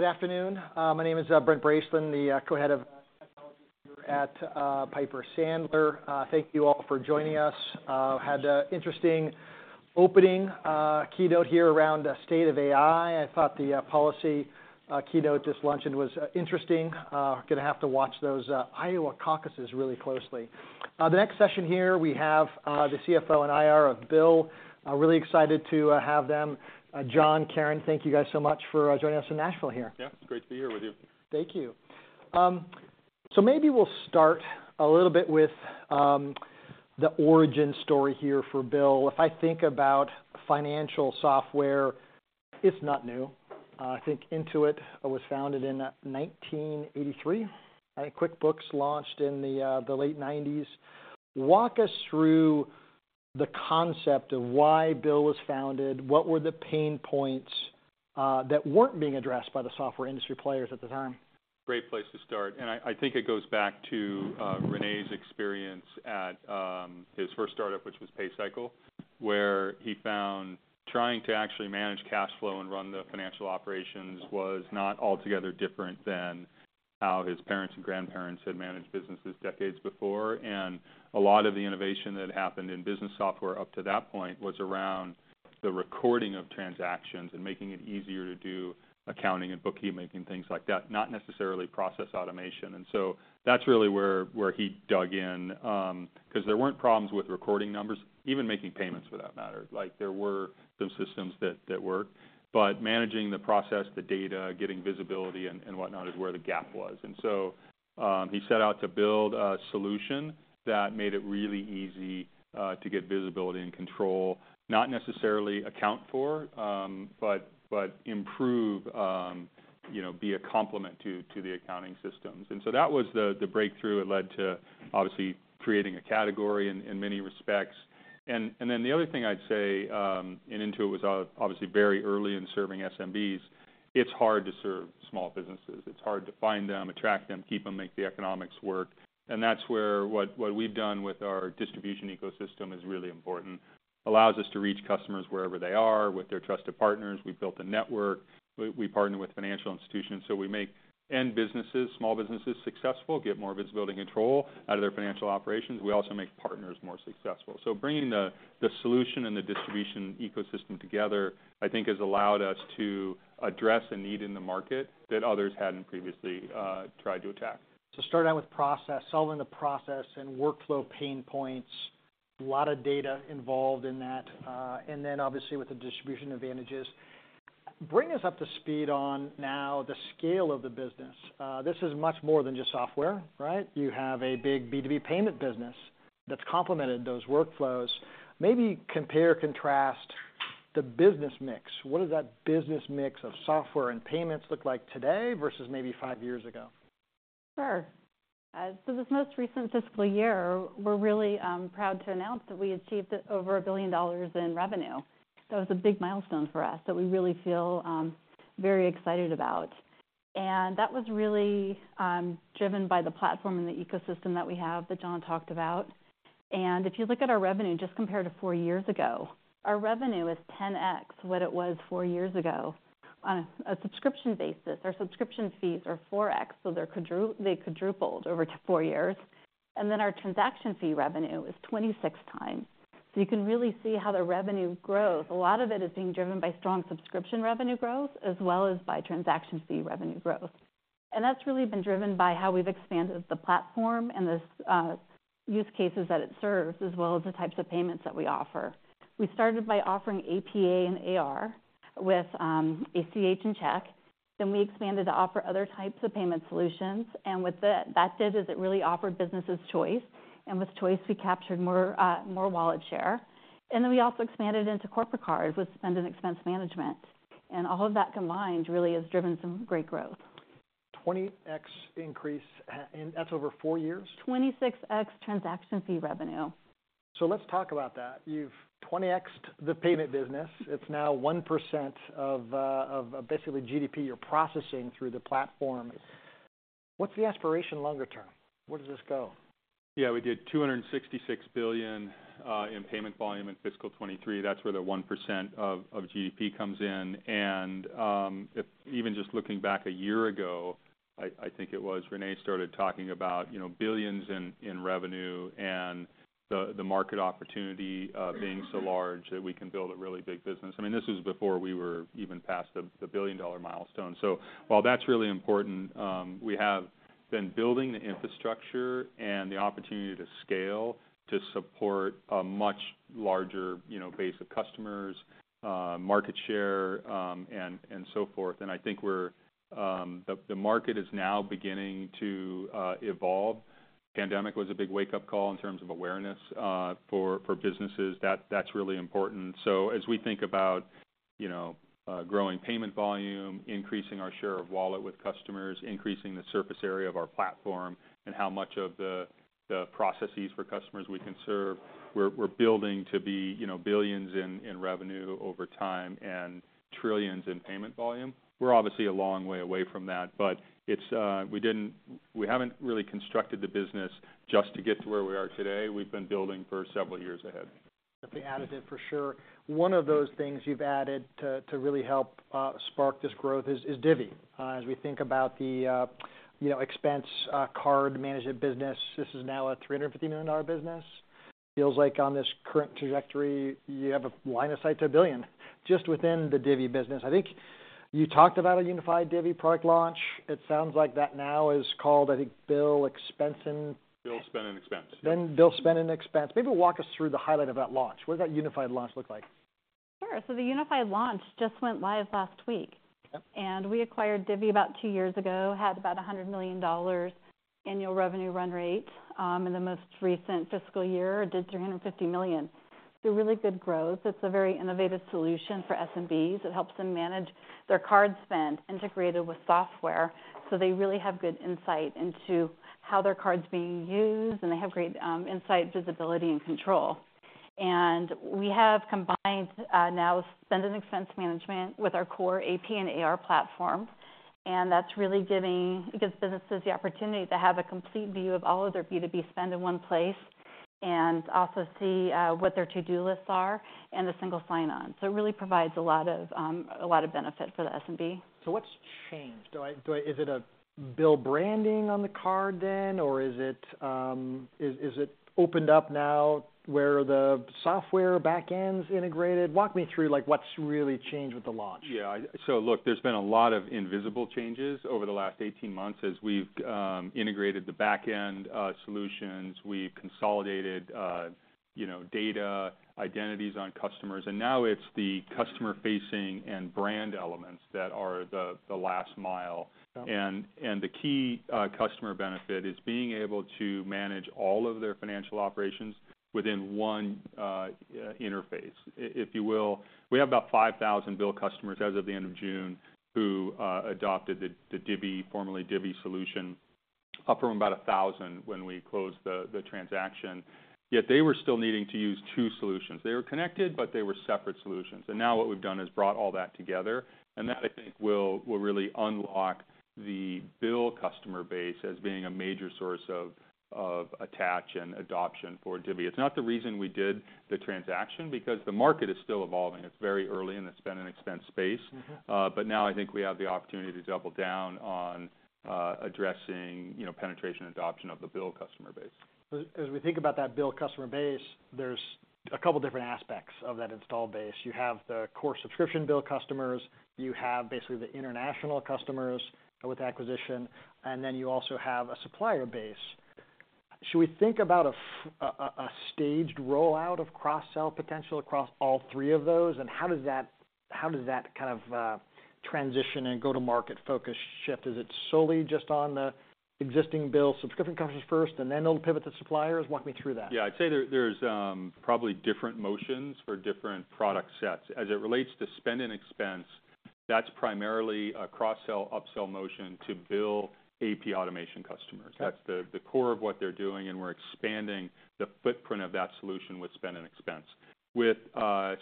Good afternoon. My name is Brent Bracelin, the co-head of technology here at Piper Sandler. Thank you all for joining us. Had an interesting opening keynote here around the state of AI. I thought the policy keynote this luncheon was interesting. Gonna have to watch those Iowa caucuses really closely. The next session here, we have the CFO and IR of BILL. Really excited to have them. John, Karen, thank you guys so much for joining us in Nashville here. Yeah, it's great to be here with you. Thank you. So maybe we'll start a little bit with the origin story here for BILL. If I think about financial software, it's not new. I think Intuit was founded in 1983, and QuickBooks launched in the late 1990s. Walk us through the concept of why BILL was founded. What were the pain points that weren't being addressed by the software industry players at the time? Great place to start, and I, I think it goes back to René's experience at his first startup, which was PayCycle, where he found trying to actually manage cash flow and run the financial operations was not altogether different than how his parents and grandparents had managed businesses decades before. And a lot of the innovation that happened in business software up to that point was around the recording of transactions and making it easier to do accounting and bookkeeping, things like that, not necessarily process automation. And so that's really where he dug in, 'cause there weren't problems with recording numbers, even making payments for that matter. Like, there were some systems that worked, but managing the process, the data, getting visibility and whatnot, is where the gap was. He set out to build a solution that made it really easy to get visibility and control. Not necessarily account for, but improve, you know, be a complement to the accounting systems. That was the breakthrough that led to obviously creating a category in many respects. The other thing I'd say, Intuit was obviously very early in serving SMBs, it's hard to serve small businesses. It's hard to find them, attract them, keep them, make the economics work, and that's where what we've done with our distribution ecosystem is really important. Allows us to reach customers wherever they are with their trusted partners. We've built a network. We partner with financial institutions, so we make end businesses, small businesses, successful, get more visibility and control out of their financial operations. We also make partners more successful. So bringing the solution and the distribution ecosystem together, I think, has allowed us to address a need in the market that others hadn't previously tried to attack. So start out with process, solving the process and workflow pain points. A lot of data involved in that, and then obviously with the distribution advantages. Bring us up to speed on now the scale of the business. This is much more than just software, right? You have a big B2B payment business that's complemented those workflows. Maybe compare or contrast the business mix. What does that business mix of software and payments look like today versus maybe five years ago? Sure. This most recent fiscal year, we're really proud to announce that we achieved over $1 billion in revenue. It was a big milestone for us that we really feel very excited about. That was really driven by the platform and the ecosystem that we have, that John talked about. If you look at our revenue just compared to four years ago, our revenue is 10x what it was four years ago. On a subscription basis, our subscription fees are 4x, so they quadrupled over four years. Our transaction fee revenue is 26 times. You can really see how the revenue growth, a lot of it is being driven by strong subscription revenue growth, as well as by transaction fee revenue growth. That's really been driven by how we've expanded the platform and the use cases that it serves, as well as the types of payments that we offer. We started by offering AP and AR with ACH and check. We expanded to offer other types of payment solutions, and what that did is it really offered businesses choice, and with choice, we captured more wallet share. We also expanded into corporate cards with spend and expense management, and all of that combined really has driven some great growth. 20x increase, and that's over four years? 26x transaction fee revenue. So let's talk about that. You've 20x the payment business. It's now 1% of, of basically GDP you're processing through the platform. What's the aspiration longer term? Where does this go? Yeah, we did $266 billion in payment volume in fiscal 2023. That's where the 1% of GDP comes in. And if even just looking back a year ago, I think it was René started talking about, you know, billions in revenue and the market opportunity being so large that we can build a really big business. I mean, this was before we were even past the billion-dollar milestone. So while that's really important, we have been building the infrastructure and the opportunity to scale to support a much larger, you know, base of customers, market share, and so forth. And I think we're. The market is now beginning to evolve. Pandemic was a big wake-up call in terms of awareness for businesses. That's really important. So as we think about, you know, growing payment volume, increasing our share of wallet with customers, increasing the surface area of our platform, and how much of the, the processes for customers we can serve, we're, we're building to be, you know, billions in, in revenue over time and trillions in payment volume. We're obviously a long way away from that but it's, we didn't, we haven't really constructed the business just to get to where we are today. We've been building for several years ahead. With the additive, for sure. One of those things you've added to, to really help spark this growth is Divvy. As we think about the, you know, expense card management business, this is now a $350 million business. Feels like on this current trajectory, you have a line of sight to $1 billion just within the Divvy business. I think you talked about a unified Divvy product launch. It sounds like that now is called, I think, BILL Spend & Expense. BILL Spend & Expense. Then BILL Spend & Expense. Maybe walk us through the highlight of that launch. What does that unified launch look like? Sure. The unified launch just went live last week. Yep. And we acquired Divvy about two years ago, had about $100 million annual revenue run rate. In the most recent fiscal year, did $350 million. So really good growth. It's a very innovative solution for SMBs. It helps them manage their card spend, integrated with software, so they really have good insight into how their card's being used, and they have great, insight, visibility, and control. And we have combined, now Spend and Expense management with our core AP and AR platform, and that's really giving- it gives businesses the opportunity to have a complete view of all of their B2B spend in one place, and also see, what their to-do lists are in a single sign-on. So it really provides a lot of, a lot of benefit for the SMB. So what's changed? Is it BILL branding on the card then, or is it opened up now, where the software back end's integrated? Walk me through, like, what's really changed with the launch. Yeah, so look, there's been a lot of invisible changes over the last 18 months as we've integrated the back end solutions. We've consolidated, you know, data, identities on customers, and now it's the customer-facing and brand elements that are the last mile. Yep. And the key customer benefit is being able to manage all of their financial operations within one interface, if you will. We have about 5,000 BILL customers as of the end of June who adopted the Divvy, formerly Divvy solution, up from about 1,000 when we closed the transaction. Yet they were still needing to use two solutions. They were connected, but they were separate solutions. And now what we've done is brought all that together, and that, I think, will really unlock the BILL customer base as being a major source of attach and adoption for Divvy. It's not the reason we did the transaction, because the market is still evolving. It's very early in the spend and expense space. Mm-hmm. But now I think we have the opportunity to double down on addressing, you know, penetration adoption of the BILL customer base. So as we think about that BILL customer base, there's a couple different aspects of that installed base. You have the core subscription BILL customers, you have basically the international customers with acquisition, and then you also have a supplier base. Should we think about a staged rollout of cross-sell potential across all three of those? And how does that, how does that kind of, transition and go-to-market focus shift? Is it solely just on the existing BILL subscription customers first, and then they'll pivot to suppliers? Walk me through that. Yeah. I'd say there's probably different motions for different product sets. As it relates to spend and expense, that's primarily a cross-sell, up-sell motion to BILL AP automation customers. Okay. That's the core of what they're doing, and we're expanding the footprint of that solution with spend and expense. With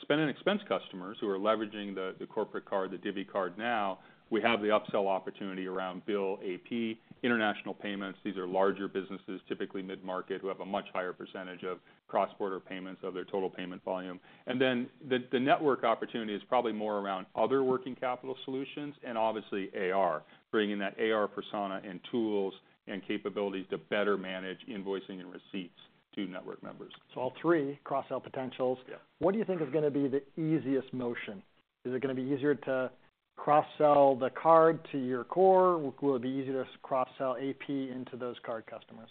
spend and expense customers, who are leveraging the corporate card, the Divvy card now, we have the up-sell opportunity around BILL AP, international payments. These are larger businesses, typically mid-market, who have a much higher percentage of cross-border payments of their total payment volume. And then the network opportunity is probably more around other working capital solutions and obviously AR, bringing that AR persona and tools and capabilities to better manage invoicing and receipts to network members. All three, cross-sell potentials. Yeah. What do you think is gonna be the easiest motion? Is it gonna be easier to cross-sell the card to your core? Will it be easier to cross-sell AP into those card customers?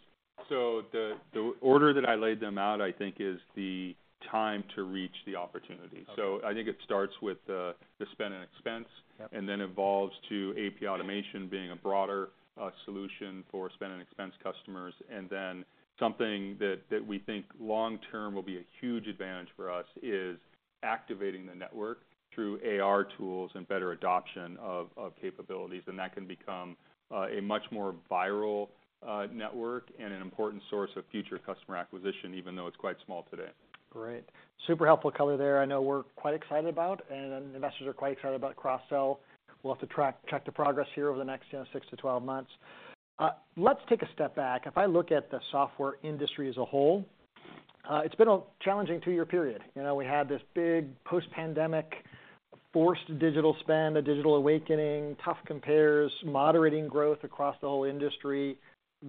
The order that I laid them out, I think, is the time to reach the opportunity. Okay. I think it starts with the spend and expense, Yep And then evolves to AP automation being a broader solution for spend and expense customers. And then something that we think long term will be a huge advantage for us is activating the network through AR tools and better adoption of capabilities, and that can become a much more viral network and an important source of future customer acquisition, even though it's quite small today. Great. Super helpful color there. I know we're quite excited about, and investors are quite excited about cross-sell. We'll have to check the progress here over the next, you know, six to 12 months. Let's take a step back. If I look at the software industry as a whole, it's been a challenging two-year period. You know, we had this big post-pandemic, forced digital spend, a digital awakening, tough compares, moderating growth across the whole industry,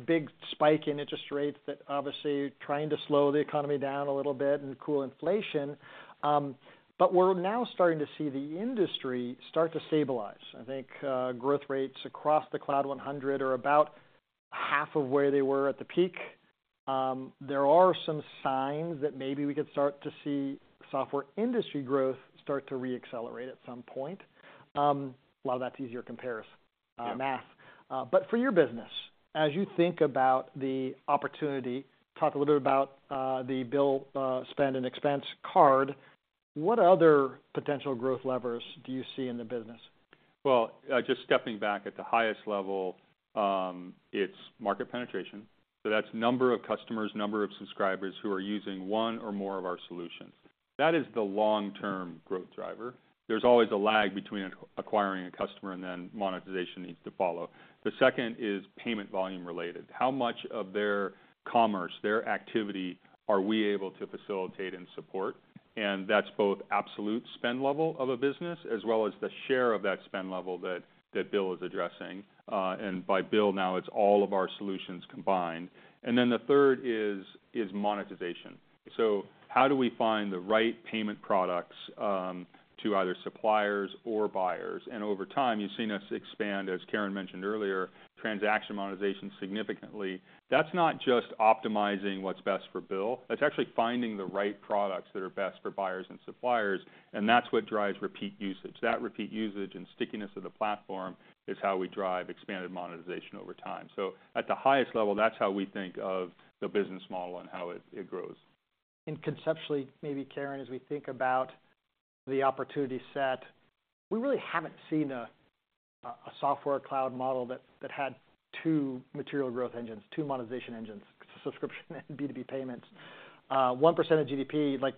big spike in interest rates that obviously trying to slow the economy down a little bit and cool inflation. But we're now starting to see the industry start to stabilize. I think, growth rates across the Cloud 100 are about half of where they were at the peak. There are some signs that maybe we could start to see software industry growth start to re-accelerate at some point. A lot of that's easier compares. Yeah Math. But for your business, as you think about the opportunity, talk a little bit about the BILL Spend & Expense card. What other potential growth levers do you see in the business? Well, just stepping back at the highest level, it's market penetration, so that's number of customers, number of subscribers who are using one or more of our solutions. That is the long-term growth driver. There's always a lag between acquiring a customer and then monetization needs to follow. The second is payment volume-related. How much of their commerce, their activity, are we able to facilitate and support? And that's both absolute spend level of a business, as well as the share of that spend level that BILL is addressing. And by BILL now, it's all of our solutions combined. And then the third is monetization. So how do we find the right payment products to either suppliers or buyers? And over time, you've seen us expand, as Karen mentioned earlier, transaction monetization significantly. That's not just optimizing what's best for BILL, that's actually finding the right products that are best for buyers and suppliers, and that's what drives repeat usage. That repeat usage and stickiness of the platform is how we drive expanded monetization over time. At the highest level, that's how we think of the business model and how it grows. Conceptually, maybe Karen, as we think about the opportunity set, we really haven't seen a software cloud model that had two material growth engines, two monetization engines, subscription and B2B payments. 1% of GDP, like,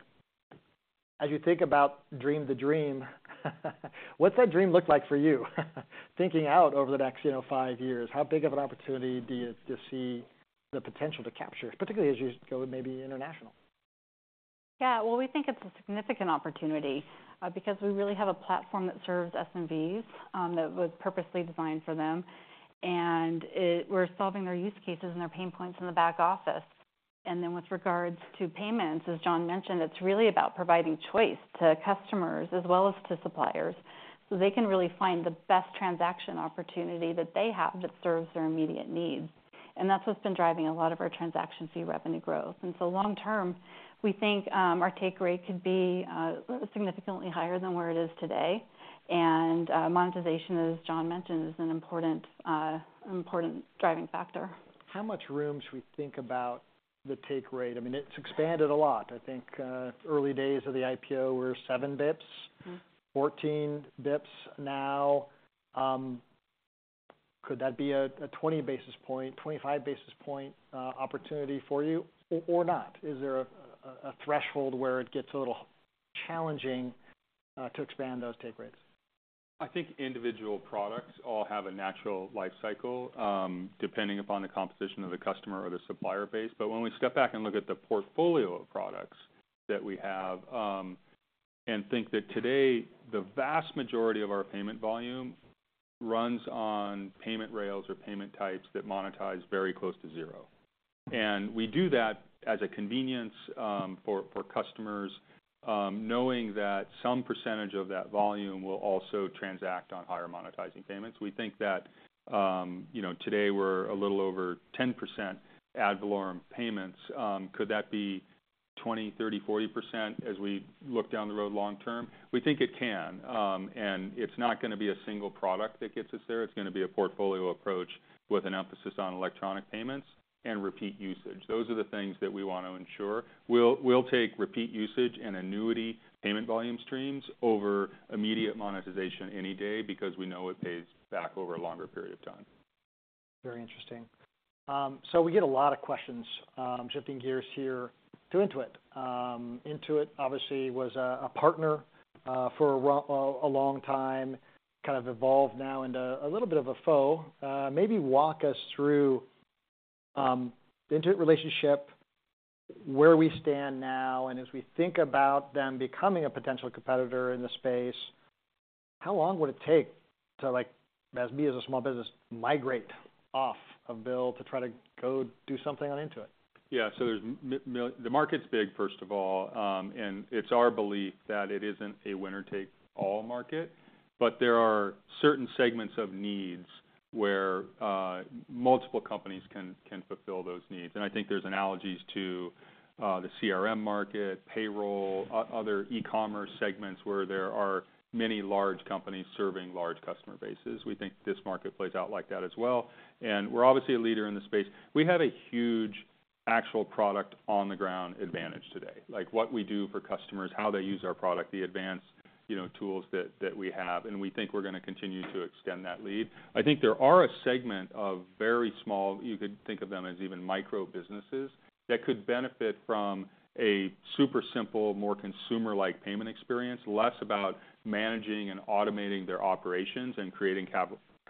as you think about dream the dream, what's that dream look like for you? Thinking out over the next, you know, five years, how big of an opportunity do you see the potential to capture, particularly as you go maybe international? Yeah. Well, we think it's a significant opportunity, because we really have a platform that serves SMBs, that was purposely designed for them, and we're solving their use cases and their pain points in the back office. And then with regards to payments, as John mentioned, it's really about providing choice to customers as well as to suppliers, so they can really find the best transaction opportunity that they have that serves their immediate needs. And that's what's been driving a lot of our transaction fee revenue growth. And so long term, we think, our take rate could be significantly higher than where it is today. And, monetization, as John mentioned, is an important, important driving factor. How much room should we think about the take rate? I mean, it's expanded a lot. I think, early days of the IPO were 7 basis points. Mm-hmm. 14 basis points now. Could that be a 20 basis point, 25 basis point opportunity for you or not? Is there a threshold where it gets a little challenging to expand those take rates? I think individual products all have a natural life cycle, depending upon the composition of the customer or the supplier base. But when we step back and look at the portfolio of products that we have, and think that today, the vast majority of our payment volume runs on payment rails or payment types that monetize very close to zero. And we do that as a convenience, for customers, knowing that some percentage of that volume will also transact on higher monetizing payments. We think that, you know, today we're a little over 10% ad valorem payments. Could that be 20%, 30%, 40% as we look down the road long term? We think it can. And it's not gonna be a single product that gets us there, it's gonna be a portfolio approach with an emphasis on electronic payments and repeat usage. Those are the things that we want to ensure. We'll take repeat usage and annuity payment volume streams over immediate monetization any day, because we know it pays back over a longer period of time. Very interesting. So we get a lot of questions, shifting gears here to Intuit. Intuit obviously was a partner for a long time, kind of evolved now into a little bit of a foe. Maybe walk us through the Intuit relationship, where we stand now, and as we think about them becoming a potential competitor in the space, how long would it take to, like, as me as a small business, migrate off of BILL to try to go do something on Intuit? Yeah. So there's the market's big, first of all, and it's our belief that it isn't a winner-take-all market. But there are certain segments of needs where multiple companies can fulfill those needs. And I think there's analogies to the CRM market, payroll, other e-commerce segments, where there are many large companies serving large customer bases. We think this market plays out like that as well, and we're obviously a leader in this space. We have a huge actual product on-the-ground advantage today. Like, what we do for customers, how they use our product, the advanced, you know, tools that we have, and we think we're gonna continue to extend that lead. I think there are a segment of very small, you could think of them as even micro businesses, that could benefit from a super simple, more consumer-like payment experience, less about managing and automating their operations and creating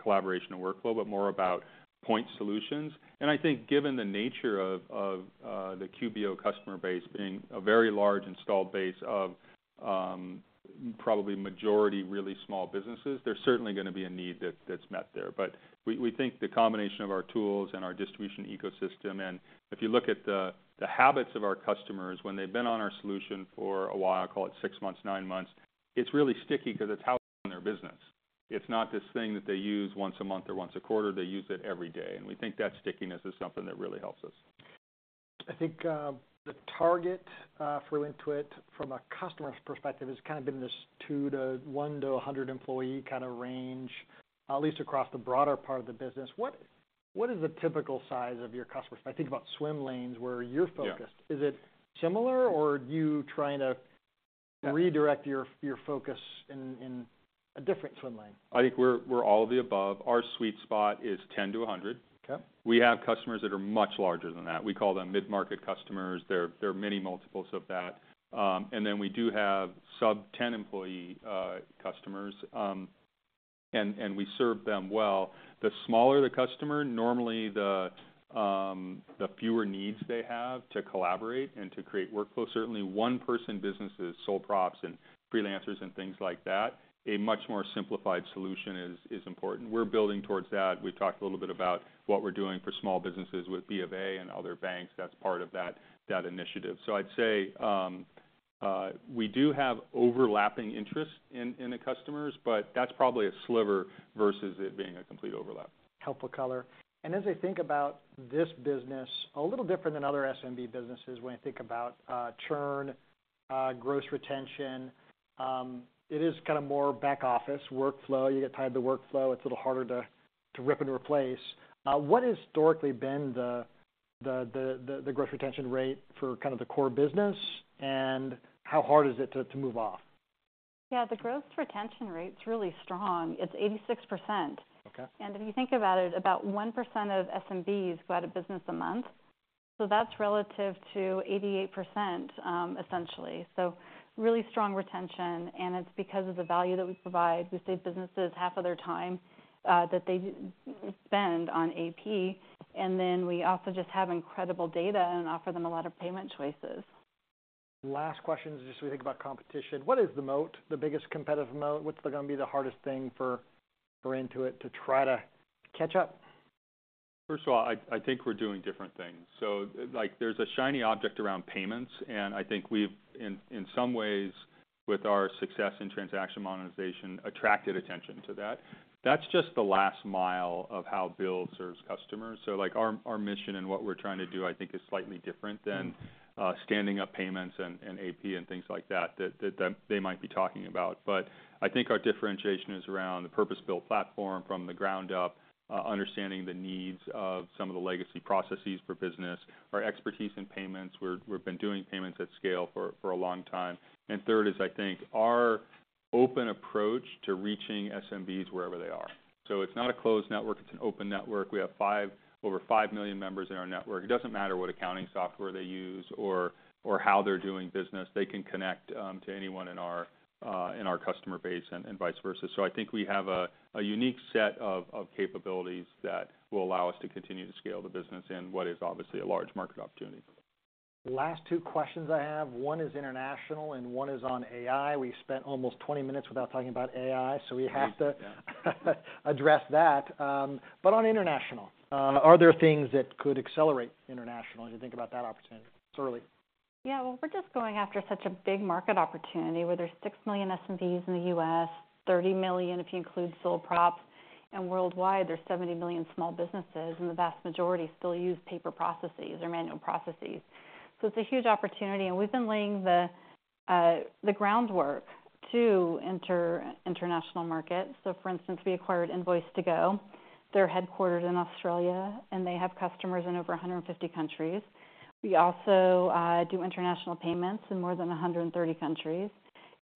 collaboration and workflow, but more about point solutions. I think given the nature of the QBO customer base being a very large installed base of probably majority really small businesses, there's certainly gonna be a need that's met there. But we think the combination of our tools and our distribution ecosystem, and if you look at the habits of our customers when they've been on our solution for a while, call it six months, nine months, it's really sticky because it's how they run their business. It's not this thing that they use once a month or once a quarter. They use it every day, and we think that stickiness is something that really helps us. I think, the target, for Intuit from a customer's perspective, has kind of been in this 2 to 1 to 100 employee kind of range, at least across the broader part of the business. What is the typical size of your customer? I think about swim lanes, where you're focused- Yeah. Is it similar, or are you trying to redirect your focus in a different swim lane? I think we're all of the above. Our sweet spot is 10-100. Okay. We have customers that are much larger than that. We call them mid-market customers. They're many multiples of that. And then we do have sub-10 employee customers. And we serve them well. The smaller the customer, normally the fewer needs they have to collaborate and to create workflows. Certainly, one-person businesses, sole props, and freelancers, and things like that, a much more simplified solution is important. We're building towards that. We've talked a little bit about what we're doing for small businesses with B of A and other banks. That's part of that initiative. So I'd say we do have overlapping interests in the customers, but that's probably a sliver versus it being a complete overlap. Helpful color. As I think about this business, a little different than other SMB businesses, when I think about churn, gross retention, it is kind of more back office workflow. You get tied to the workflow, it's a little harder to rip and replace. What has historically been the gross retention rate for kind of the core business, and how hard is it to move off? Yeah, the gross retention rate's really strong. It's 86%. Okay. If you think about it, about 1% of SMBs go out of business a month, so that's relative to 88%, essentially. So really strong retention, and it's because of the value that we provide. We save businesses half of their time that they spend on AP, and then we also just have incredible data and offer them a lot of payment choices. Last question is just so we think about competition. What is the moat, the biggest competitive moat? What's gonna be the hardest thing for Intuit to try to catch up? First of all, I think we're doing different things. So like, there's a shiny object around payments, and I think we've, in some ways, with our success in transaction monetization, attracted attention to that. That's just the last mile of how BILL serves customers. So like, our mission and what we're trying to do, I think, is slightly different than standing up payments and AP and things like that that they might be talking about. But I think our differentiation is around the purpose-built platform from the ground up, understanding the needs of some of the legacy processes for business, our expertise in payments, we've been doing payments at scale for a long time. And third is, I think, our open approach to reaching SMBs wherever they are. So it's not a closed network, it's an open network. We have over 5 million members in our network. It doesn't matter what accounting software they use or how they're doing business, they can connect to anyone in our customer base and vice versa. So I think we have a unique set of capabilities that will allow us to continue to scale the business in what is obviously a large market opportunity. Last two questions I have, one is international and one is on AI. We spent almost 20 minutes without talking about AI, so we have to. Yeah. Address that. But on international, are there things that could accelerate international as you think about that opportunity, certainly? Yeah. Well, we're just going after such a big market opportunity, where there's 6 million SMBs in the U.S., 30 million, if you include sole props, and worldwide, there's 70 million small businesses, and the vast majority still use paper processes or manual processes. So it's a huge opportunity, and we've been laying the groundwork to enter international markets. So for instance, we acquired Invoice2go. They're headquartered in Australia, and they have customers in over 150 countries. We also do international payments in more than 130 countries.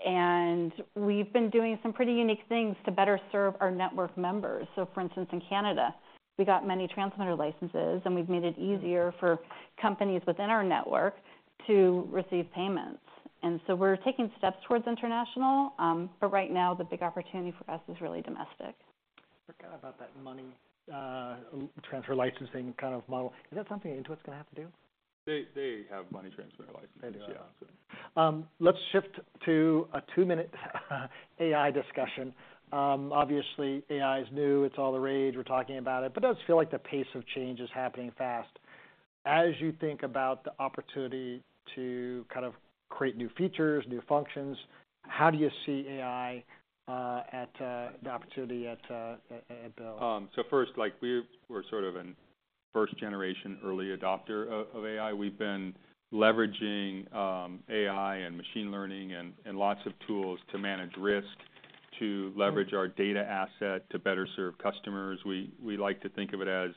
And we've been doing some pretty unique things to better serve our network members. So for instance, in Canada, we got money transmitter licenses, and we've made it easier for companies within our network to receive payments. So we're taking steps towards international, but right now, the big opportunity for us is really domestic. Forgot about that money transfer licensing kind of model. Is that something Intuit's gonna have to do? They have money transmitter licenses. They do. Yeah, so. Let's shift to a two-minute AI discussion. Obviously, AI is new. It's all the rage. We're talking about it. But it does feel like the pace of change is happening fast. As you think about the opportunity to kind of create new features, new functions, how do you see AI at BILL? So first, like we're sort of a first-generation early adopter of AI. We've been leveraging AI and machine learning and lots of tools to manage risk, to leverage our data asset to better serve customers. We like to think of it as,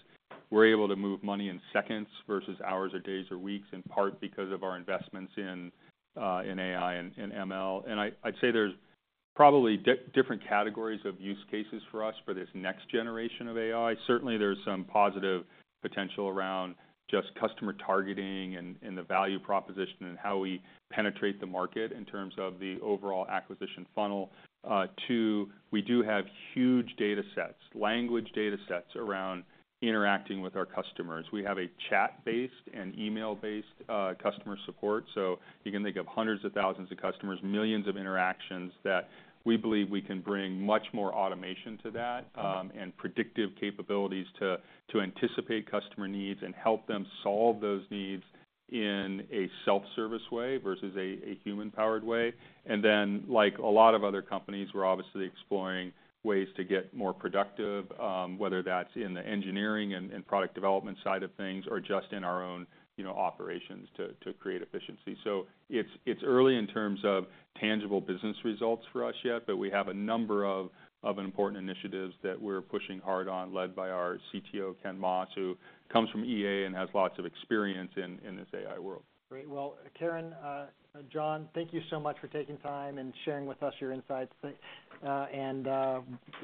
we're able to move money in seconds versus hours, or days, or weeks, in part because of our investments in AI and ML. I'd say there's probably different categories of use cases for us for this next generation of AI. Certainly, there's some positive potential around just customer targeting and the value proposition and how we penetrate the market in terms of the overall acquisition funnel. Two, we do have huge datasets, language datasets, around interacting with our customers. We have a chat-based and email-based customer support, so you can think of hundreds of thousands of customers, millions of interactions that we believe we can bring much more automation to that, and predictive capabilities to anticipate customer needs and help them solve those needs in a self-service way versus a human-powered way. And then, like a lot of other companies, we're obviously exploring ways to get more productive, whether that's in the engineering and product development side of things, or just in our own, you know, operations to create efficiency. So it's early in terms of tangible business results for us yet, but we have a number of important initiatives that we're pushing hard on, led by our CTO, Ken Moss, who comes from EA and has lots of experience in this AI world. Great. Well, Karen, John, thank you so much for taking time and sharing with us your insights, and,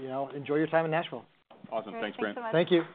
you know, enjoy your time in Nashville. Awesome. Thanks, Brent. Thanks so much. Thank you.